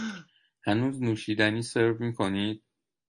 هنوز نوشیدنی سرو می کنید؟